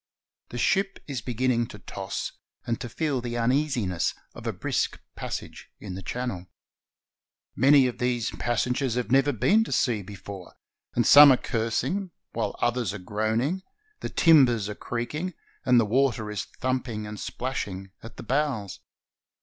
The ship is beginning to toss and to feel the uneasiness of a brisk passage in the Channel. Most of these passengers have never been to sea before, and some are cursing, while others are groaning; the timbers are creaking, and the water is thumping and splashing at the bows.